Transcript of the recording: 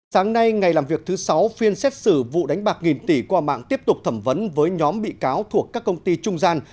sáng nay ngày làm việc thứ sáu phiên xét xử vụ đánh bạc nghìn tỷ qua mạng tiếp tục thẩm vấn với nhóm bị cáo thuộc các công ty trung gian